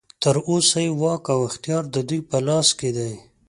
تر اوسه یې واک او اختیار ددوی په لاس کې دی.